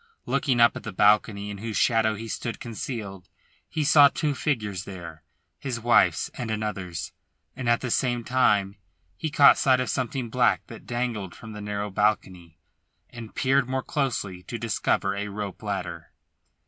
Looking up at the balcony in whose shadow he stood concealed, he saw two figures there his wife's and another's and at the same time he caught sight of something black that dangled from the narrow balcony, and peered more closely to discover a rope ladder.